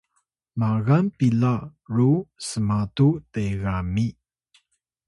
magan pila ru smatu tegami